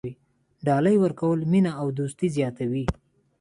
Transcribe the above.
ډالۍ ورکول مینه او دوستي زیاتوي.